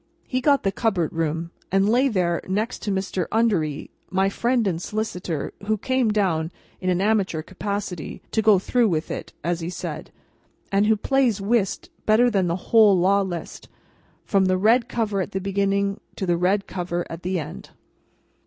He got the Cupboard Room, and lay there next to Mr. Undery, my friend and solicitor: who came down, in an amateur capacity, "to go through with it," as he said, and who plays whist better than the whole Law List, from the red cover at the beginning to the red cover at the end.